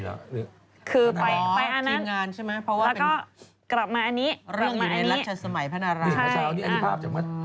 เมื่อเช้านี้อันนี้ภาพจังมาก